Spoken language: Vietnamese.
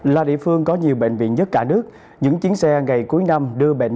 là địa phương có nhiều bệnh viện nhất cả nước những chiến xe ngày cuối năm đưa bệnh